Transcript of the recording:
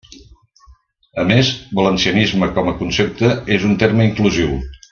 A més, valencianisme com a concepte és un terme inclusiu.